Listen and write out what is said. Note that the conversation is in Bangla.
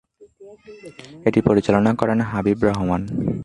এটি পরিচালনা করেন হাবিব রহমান।